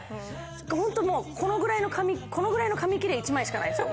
ホントもうこのぐらいの紙切れ１枚しかないんですよ